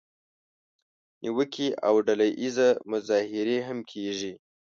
نیوکې او ډله اییزه مظاهرې هم کیږي.